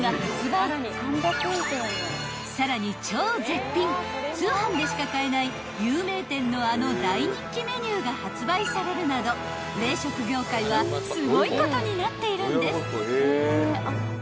［さらに超絶品通販でしか買えない有名店のあの大人気メニューが発売されるなど冷食業界はすごいことになっているんです］